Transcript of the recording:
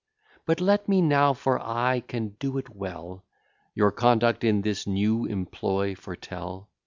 But let me now, for I can do it well, Your conduct in this new employ foretell.